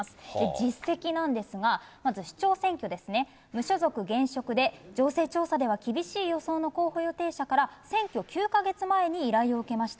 実績なんですが、まず市長選挙ですね、無所属現職で情勢調査では厳しい予想の候補予定者から、選挙９か月前に依頼を受けました。